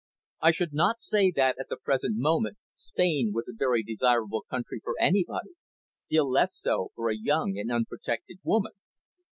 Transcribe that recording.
"I should not say that, at the present moment, Spain was a very desirable country for anybody, still less so for a young and unprotected woman."